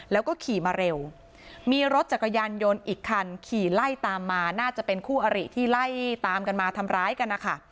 แล้วก็ขี่มาเร็วมีรถจักรยานยนต์อีกคันขี่ไล่ตามมาน่าจะเป็นคู่อริที่ไล่ตามกันมาทำร้ายกันนะคะ